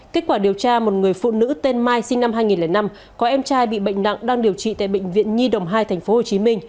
kết quả điều tra một người phụ nữ tên mai sinh năm hai nghìn năm có em trai bị bệnh nặng đang điều trị tại bệnh viện nhi đồng hai tp hcm